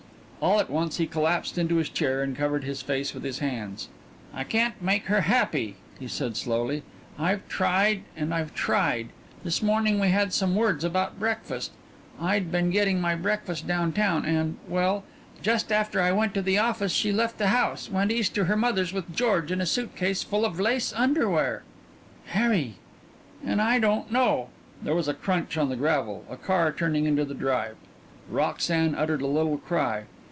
All at once he collapsed into his chair and covered his face with his hands. "I can't make her happy," he said slowly. "I've tried and I've tried. This morning we had some words about breakfast I'd been getting my breakfast down town and well, just after I went to the office she left the house, went East to her mother's with George and a suitcase full of lace underwear." "Harry!" "And I don't know " There was a crunch on the gravel, a car turning into the drive. Roxanne uttered a little cry.